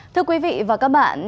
thưa quý vị và các bạn